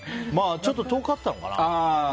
ちょっと遠かったのかな。